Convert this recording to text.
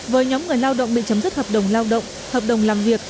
với nhóm người lao động bị chấm dứt hợp đồng lao động hợp đồng làm việc